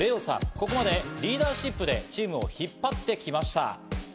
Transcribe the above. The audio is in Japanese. ここまでリーダーシップでチームを引っ張ってきました。